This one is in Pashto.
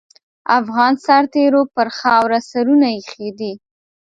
افغان سرتېرو پر خاوره سرونه اېښي دي.